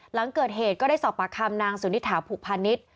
หลังเกิดเหตุก็ได้สอบปากคำนางสุนิถาผูกพาณิชย์